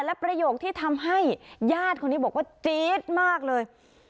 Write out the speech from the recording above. และประโยคที่ทำให้ญาติคนนี้บอกว่าจี๊ดมากเลย